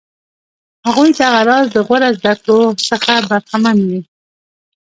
هغوی دغه راز د غوره زده کړو څخه برخمن وي.